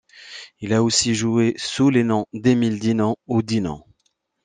Il a aussi joué sous les noms d'Émile Dinan ou Dinan.